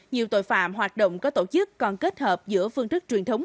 nhiều tội phạm hoạt động có tổ chức còn kết hợp giữa phương thức truyền thống